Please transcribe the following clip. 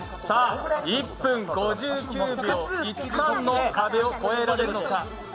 １分５９秒１３の壁を越えられるのか。